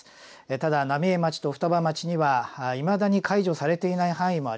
ただ浪江町と双葉町にはいまだに解除されていない範囲もあります。